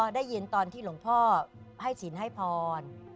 อ๋อได้ยินตอนที่หลวงพ่อให้สินให้พร